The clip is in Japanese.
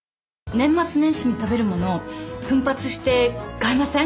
年末年始に食べるもの奮発して買いません？